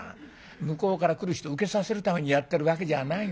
向こうから来る人うけさせるためにやってるわけじゃないの。